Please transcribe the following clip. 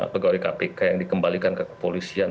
pegawai kpk yang dikembalikan ke kepolisian